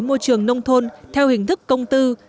môi trường nông thôn theo hình thức công tư